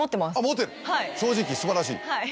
正直素晴らしい。